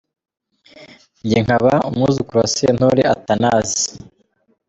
Njye nkaba umwuzukuru wa Sentore Athanase.